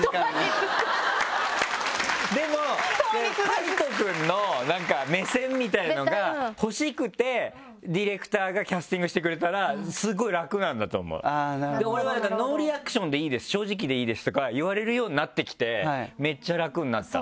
でも海人くんの目線みたいのが欲しくてディレクターがキャスティングしてくれたらスゴい楽なんだと思う俺はだから「ノーリアクションでいいです正直でいいです」とか言われるようになってきてめっちゃ楽になった。